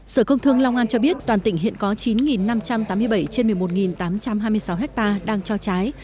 sở công thương long an cho biết toàn tỉnh hiện có chín năm trăm tám mươi bảy trên một mươi một tám trăm hai mươi sáu ha đang cho trái